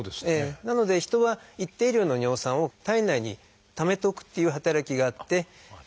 なので人は一定量の尿酸を体内にためとくっていう働きがあって。